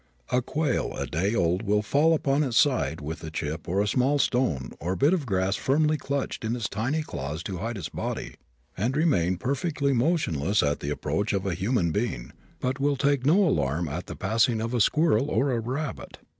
A quail a day old will fall upon its side with a chip or small stone or bit of grass firmly clutched in its tiny claws to hide its body, and remain perfectly motionless at the approach of a human being, but will take no alarm at the passing of a squirrel or a rabbit.